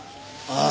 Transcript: ああ。